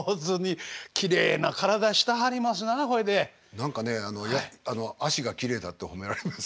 何かねあの脚がきれいだって褒められます。